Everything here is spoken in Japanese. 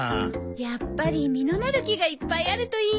やっぱり実のなる木がいっぱいあるといいな。